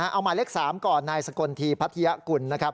เอามาเลข๓ก่อนนายสกลธีพัทยกุล